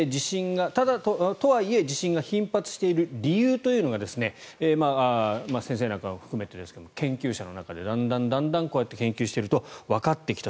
とはいえ、地震が頻発している理由というのが先生なんかを含めてですが研究者の中でだんだん研究しているとわかってきた。